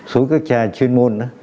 số các cha chuyên môn